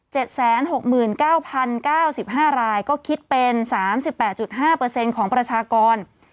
หกหมื่นเก้าพันเก้าสิบห้ารายก็คิดเป็นสามสิบแปดจุดห้าเปอร์เซ็นต์ของประชากร